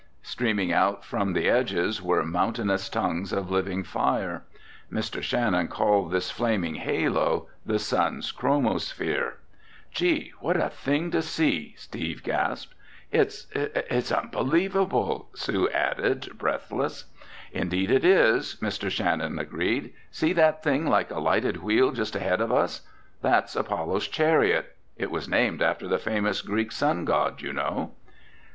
Streaming out from the edges were mountainous tongues of living fire. Mr. Shannon called this flaming halo the sun's chromosphere. "Gee, what a thing to see!" Steve gasped. "It's—it's unbelievable!" Sue added, breathless. "Indeed, it is," Mr. Shannon agreed. "See that thing like a lighted wheel just ahead of us? That's Apollo's Chariot. It was named after the famous Greek sun god, you know."